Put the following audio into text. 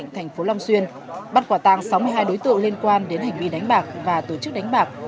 thành phố long xuyên bắt quả tang sáu mươi hai đối tượng liên quan đến hành vi đánh bạc và tổ chức đánh bạc